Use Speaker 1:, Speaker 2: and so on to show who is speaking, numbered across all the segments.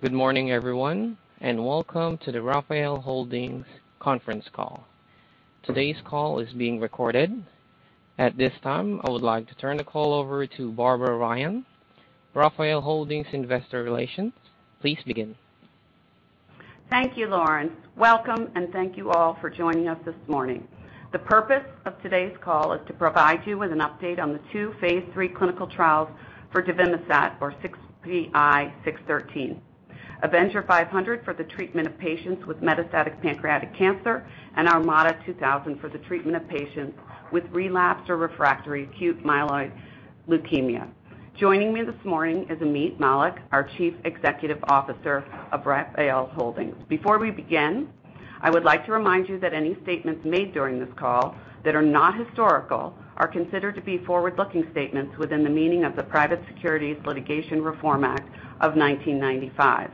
Speaker 1: Good morning everyone, and welcome to the Rafael Holdings conference call. Today's call is being recorded. At this time, I would like to turn the call over to Barbara Ryan, Rafael Holdings Investor Relations. Please begin.
Speaker 2: Thank you, Lawrence. Welcome and thank you all for joining us this morning. The purpose of today's call is to provide you with an update on the two phase III clinical trials for devimistat or CPI-613, AVENGER 500 for the treatment of patients with metastatic pancreatic cancer and ARMADA 2000 for the treatment of patients with relapsed or refractory acute myeloid leukemia. Joining me this morning is Ameet Mallik, our Chief Executive Officer of Rafael Holdings. Before we begin, I would like to remind you that any statements made during this call that are not historical are considered to be forward-looking statements within the meaning of the Private Securities Litigation Reform Act of 1995.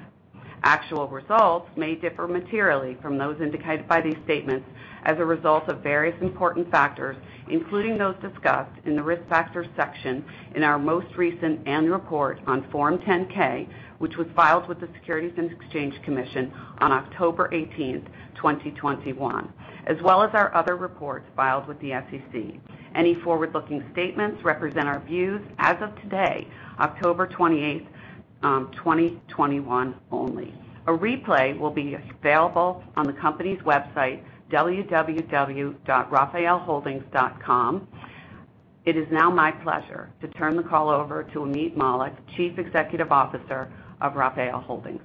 Speaker 2: Actual results may differ materially from those indicated by these statements as a result of various important factors, including those discussed in the Risk Factors section in our most recent annual report on Form 10-K, which was filed with the Securities and Exchange Commission on October 18th, 2021, as well as our other reports filed with the SEC. Any forward-looking statements represent our views as of today, October 28th, 2021, only. A replay will be available on the company's website, www.rafaelholdings.com. It is now my pleasure to turn the call over to Ameet Mallik, Chief Executive Officer of Rafael Holdings.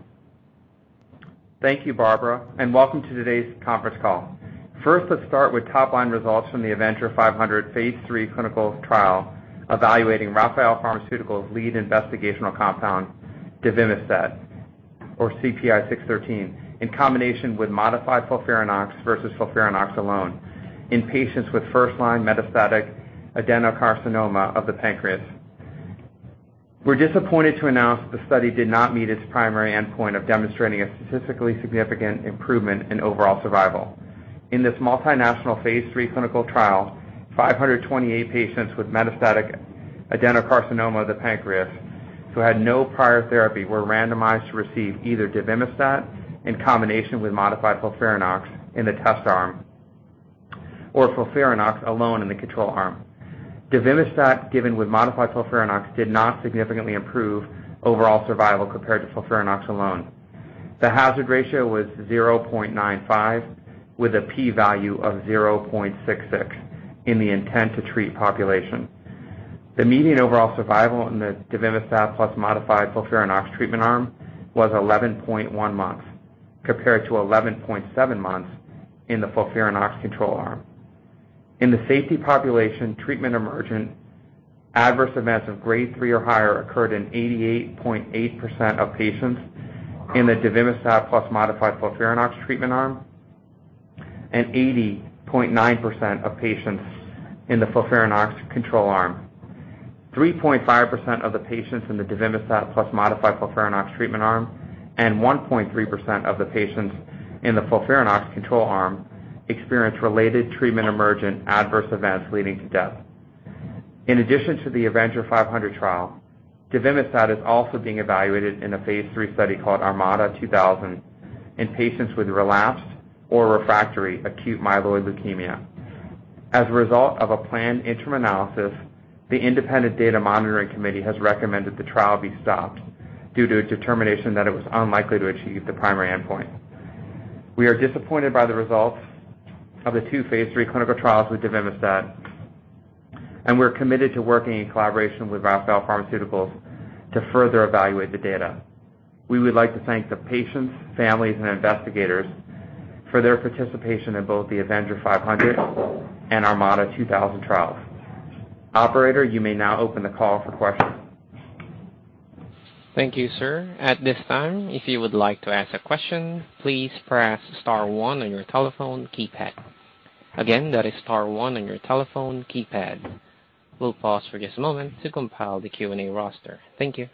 Speaker 3: Thank you, Barbara, and welcome to today's conference call. First, let's start with top-line results from the AVENGER 500 phase III clinical trial evaluating Rafael Pharmaceuticals' lead investigational compound, devimistat or CPI-613, in combination with modified FOLFIRINOX versus FOLFIRINOX alone in patients with first-line metastatic adenocarcinoma of the pancreas. We're disappointed to announce the study did not meet its primary endpoint of demonstrating a statistically significant improvement in overall survival. In this multinational phase III clinical trial, 528 patients with metastatic adenocarcinoma of the pancreas who had no prior therapy were randomized to receive either devimistat in combination with modified FOLFIRINOX in the test arm or FOLFIRINOX alone in the control arm. Devimistat given with modified FOLFIRINOX did not significantly improve overall survival compared to FOLFIRINOX alone. The hazard ratio was 0.95 with a P-value of 0.66 in the intent to treat population. The median overall survival in the devimistat plus modified FOLFIRINOX treatment arm was 11.1 months, compared to 11.7 months in the FOLFIRINOX control arm. In the safety population treatment-emergent adverse events of grade 3 or higher occurred in 88.8% of patients in the devimistat plus modified FOLFIRINOX treatment arm and 80.9% of patients in the FOLFIRINOX control arm. 3.5% of the patients in the devimistat plus modified FOLFIRINOX treatment arm and 1.3% of the patients in the FOLFIRINOX control arm experienced related treatment-emergent adverse events leading to death. In addition to the AVENGER 500 trial, devimistat is also being evaluated in a phase III study called ARMADA 2000 in patients with relapsed or refractory acute myeloid leukemia. As a result of a planned interim analysis, the independent data monitoring committee has recommended the trial be stopped due to a determination that it was unlikely to achieve the primary endpoint. We are disappointed by the results of the two phase III clinical trials with devimistat, and we're committed to working in collaboration with Rafael Pharmaceuticals to further evaluate the data. We would like to thank the patients, families, and investigators for their participation in both the AVENGER 500 and ARMADA 2000 trials. Operator, you may now open the call for questions.
Speaker 1: Thank you, sir. At this time, if you would like to ask a question, please press star one on your telephone keypad. Again, that is star one on your telephone keypad. We'll pause for just a moment to compile the Q&A roster. Thank you.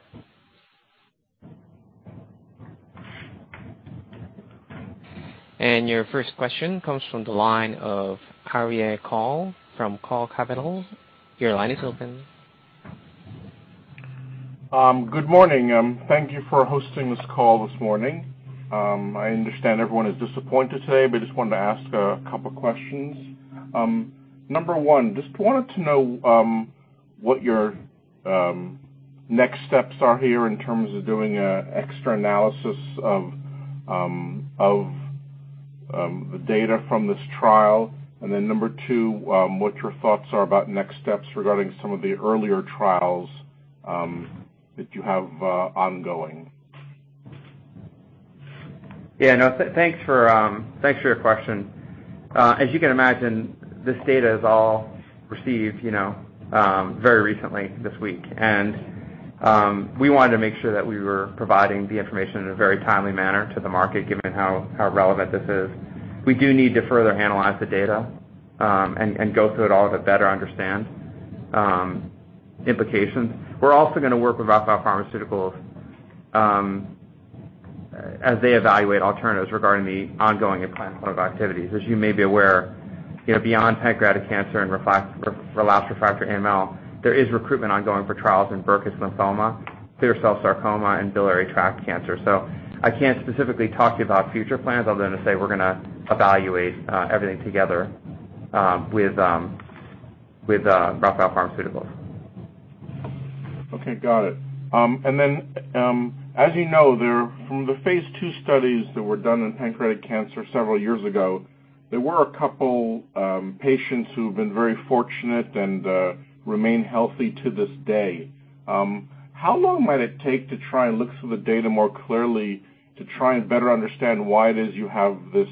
Speaker 1: Your first question comes from the line of Arieh Coll from Coll Capital. Your line is open.
Speaker 4: Good morning. Thank you for hosting this call this morning. I understand everyone is disappointed today, but just wanted to ask a couple questions. Number one, just wanted to know what your next steps are here in terms of doing extra analysis of the data from this trial. Number two, what your thoughts are about next steps regarding some of the earlier trials that you have ongoing.
Speaker 3: Yeah, no, thanks for your question. As you can imagine, this data is all received, you know, very recently this week. We wanted to make sure that we were providing the information in a very timely manner to the market, given how relevant this is. We do need to further analyze the data and go through it all to better understand implications. We're also gonna work with Rafael Pharmaceuticals as they evaluate alternatives regarding the ongoing and planned clinical activities. As you may be aware, you know, beyond pancreatic cancer and relapsed refractory AML, there is recruitment ongoing for trials in Burkitt's lymphoma, clear cell sarcoma, and biliary tract cancer. I can't specifically talk to you about future plans other than to say we're gonna evaluate everything together with Rafael Pharmaceuticals.
Speaker 4: Okay, got it. As you know, from the phase II studies that were done in pancreatic cancer several years ago, there were a couple patients who've been very fortunate and remain healthy to this day. How long might it take to try and look through the data more clearly to try and better understand why it is you have this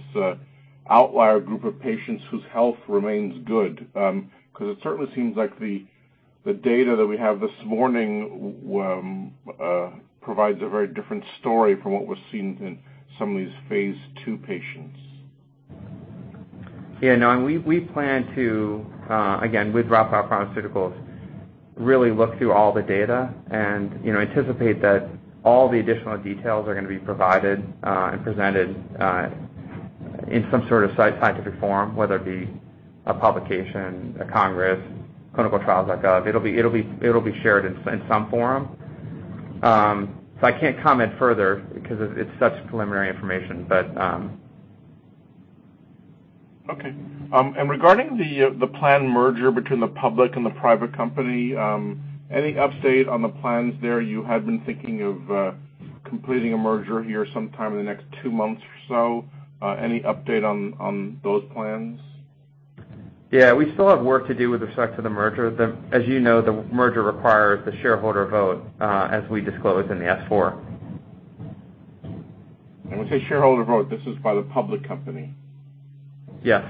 Speaker 4: outlier group of patients whose health remains good? 'Cause it certainly seems like the data that we have this morning provides a very different story from what was seen in some of these phase II patients.
Speaker 3: Yeah, no. We plan to, again, with Rafael Pharmaceuticals, really look through all the data and, you know, anticipate that all the additional details are gonna be provided and presented in some sort of scientific forum, whether it be a publication, a congress, clinicaltrials.gov. It'll be shared in some forum. I can't comment further because it's such preliminary information, but.
Speaker 4: Okay. Regarding the planned merger between the public and the private company, any update on the plans there? You had been thinking of completing a merger here sometime in the next 2 months or so. Any update on those plans?
Speaker 3: Yeah, we still have work to do with respect to the merger. As you know, the merger requires the shareholder vote, as we disclose in the S-4.
Speaker 4: When you say shareholder vote, this is by the public company?
Speaker 3: Yes.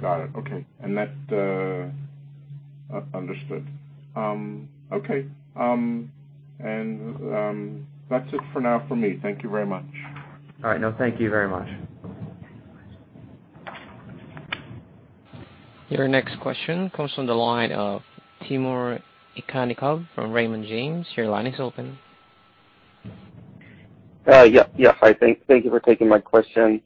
Speaker 4: Got it. Okay. Understood. Okay. That's it for now for me. Thank you very much.
Speaker 3: All right. No, thank you very much.
Speaker 1: Your next question comes from the line of Timur Ivannikov from Raymond James. Your line is open.
Speaker 5: Yeah, yeah. Hi. Thank you for taking my question.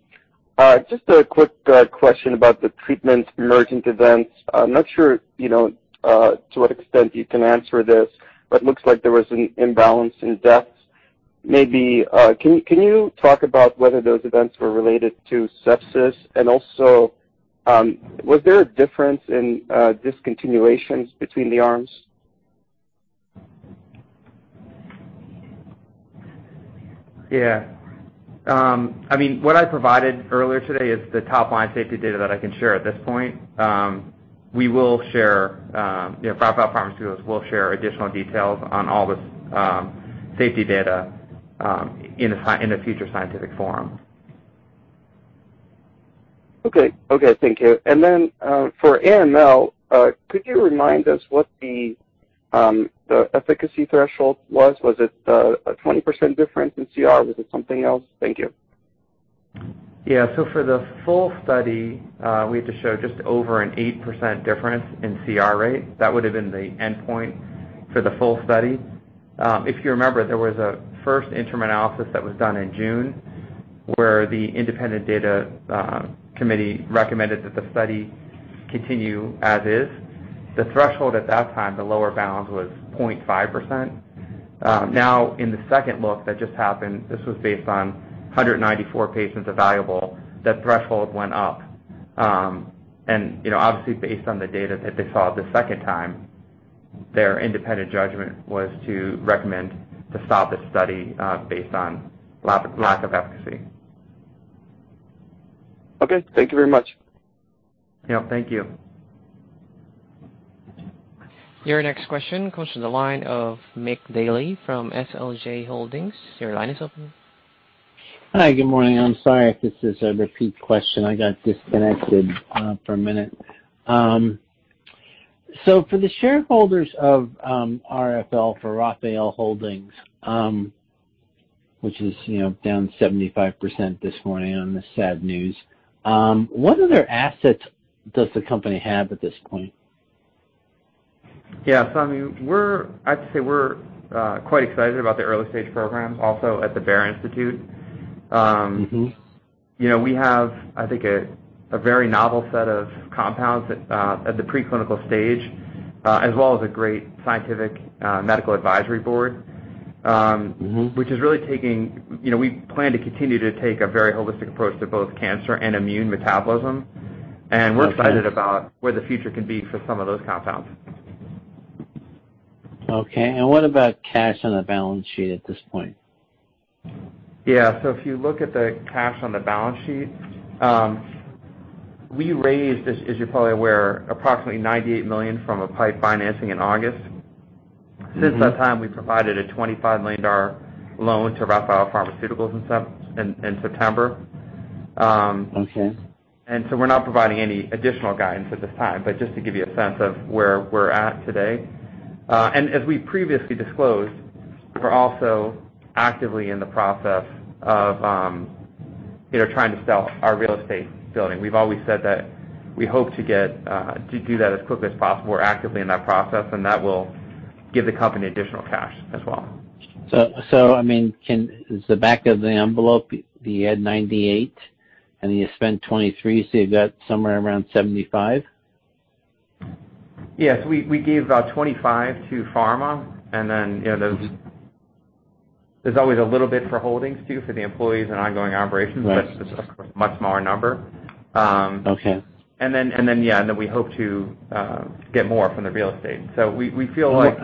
Speaker 5: Just a quick question about the treatment emergent events. I'm not sure, you know, to what extent you can answer this, but looks like there was an imbalance in deaths. Maybe can you talk about whether those events were related to sepsis? And also, was there a difference in discontinuations between the arms?
Speaker 3: Yeah. I mean, what I provided earlier today is the top line safety data that I can share at this point. We will share, you know, Rafael Pharmaceuticals will share additional details on all the safety data in a future scientific forum.
Speaker 5: Okay. Okay, thank you. Then, for AML, could you remind us what the efficacy threshold was? Was it a 20% difference in CR? Was it something else? Thank you.
Speaker 3: Yeah. For the full study, we had to show just over an 8% difference in CR rate. That would've been the endpoint for the full study. If you remember, there was a first interim analysis that was done in June, where the independent data committee recommended that the study continue as is. The threshold at that time, the lower bound, was 0.5%. Now in the second look that just happened, this was based on 194 patients evaluable, the threshold went up. You know, obviously based on the data that they saw the second time, their independent judgment was to recommend to stop the study, based on lack of efficacy.
Speaker 5: Okay. Thank you very much.
Speaker 3: Yeah, thank you.
Speaker 1: Your next question comes from the line of Mick Daly from SLJ Holdings. Your line is open.
Speaker 6: Hi. Good morning. I'm sorry if this is a repeat question. I got disconnected for a minute. For the shareholders of RFL, for Rafael Holdings, which is, you know, down 75% this morning on this sad news, what other assets does the company have at this point?
Speaker 3: Yeah. I mean, I'd say we're quite excited about the early stage programs also at the Barer Institute. You know, we have, I think, a very novel set of compounds at the preclinical stage, as well as a great scientific medical advisory board. You know, we plan to continue to take a very holistic approach to both cancer and immune metabolism.
Speaker 6: Okay.
Speaker 3: We're excited about where the future can be for some of those compounds.
Speaker 6: Okay. What about cash on the balance sheet at this point?
Speaker 3: Yeah. If you look at the cash on the balance sheet, we raised, as you're probably aware, approximately $98 million from a PIPE financing in August. Since that time, we provided a $25 million loan to Rafael Pharmaceuticals in September.
Speaker 6: Okay.
Speaker 3: We're not providing any additional guidance at this time, but just to give you a sense of where we're at today. As we previously disclosed, we're also actively in the process of, you know, trying to sell our real estate building. We've always said that we hope to get to do that as quickly as possible. We're actively in that process, and that will give the company additional cash as well.
Speaker 6: I mean, is the back of the envelope, you had $98 million and you spent $23 milion, so you've got somewhere around $75?
Speaker 3: Yes. We gave $25 million to pharma and then, you know, there's always a little bit for holdings too, for the employees and ongoing operations.
Speaker 6: Right.
Speaker 3: Just, of course, much smaller number.
Speaker 6: Okay.
Speaker 3: We hope to get more from the real estate. We feel like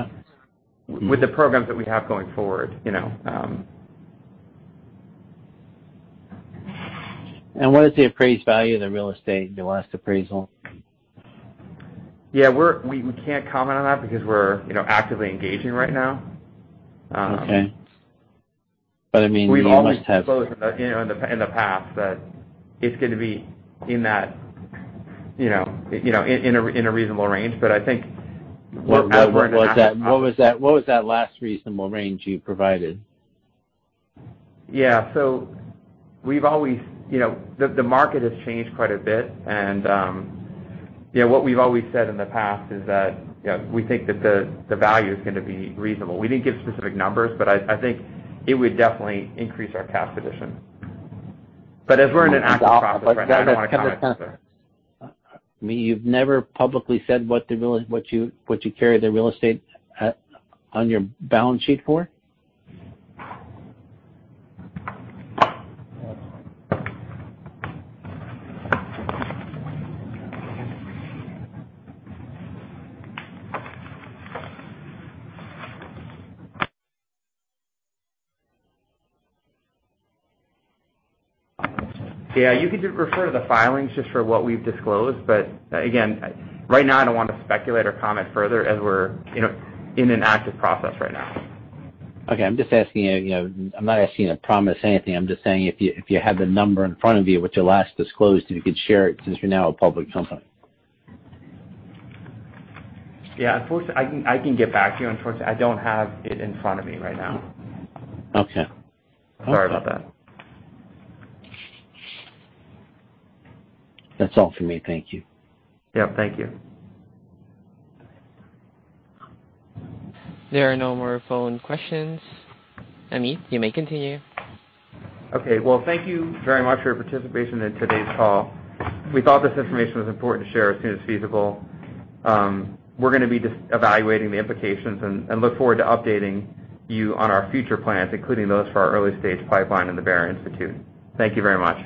Speaker 3: with the programs that we have going forward, you know.
Speaker 6: What is the appraised value of the real estate in the last appraisal?
Speaker 3: Yeah, we can't comment on that because we're, you know, actively engaging right now.
Speaker 6: Okay. I mean, you must have-
Speaker 3: We've always disclosed, you know, in the past that it's gonna be in that, you know, in a reasonable range. I think we're-
Speaker 6: What was that last reasonable range you provided?
Speaker 3: Yeah. We've always you know, the market has changed quite a bit and, you know, what we've always said in the past is that, you know, we think that the value is gonna be reasonable. We didn't give specific numbers, but I think it would definitely increase our cash position. As we're in an active process right now, I don't wanna comment further.
Speaker 6: I mean, you've never publicly said what you carry the real estate at, on your balance sheet for?
Speaker 3: Yeah, you can just refer to the filings just for what we've disclosed. Again, right now I don't want to speculate or comment further as we're, you know, in an active process right now.
Speaker 6: Okay. I'm just asking you know, I'm not asking you to promise anything. I'm just saying if you had the number in front of you, which you last disclosed, if you could share it since you're now a public company.
Speaker 3: Yeah. Of course, I can get back to you. Unfortunately, I don't have it in front of me right now.
Speaker 6: Okay.
Speaker 3: Sorry about that.
Speaker 6: That's all for me. Thank you.
Speaker 3: Yep, thank you.
Speaker 1: There are no more phone questions. Ameet, you may continue.
Speaker 3: Okay. Well, thank you very much for your participation in today's call. We thought this information was important to share as soon as feasible. We're gonna be just evaluating the implications and look forward to updating you on our future plans, including those for our early stage pipeline and the Barer Institute. Thank you very much.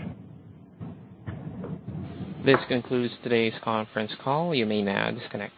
Speaker 1: This concludes today's conference call. You may now disconnect.